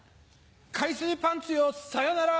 海水パンツよさよなら！